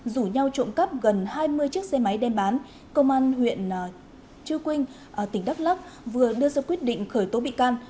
rủ nhau trộm cắp gần hai mươi chiếc xe máy đem bán công an huyện chư quynh tỉnh đắk lắc vừa đưa ra quyết định khởi tố bị can